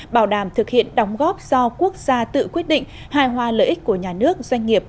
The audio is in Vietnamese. bảo đảm thực hiện đóng góp do quốc gia tự quyết định hài hòa lợi ích của nhà nước doanh nghiệp